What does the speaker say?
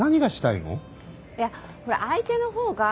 いやほら相手の方が？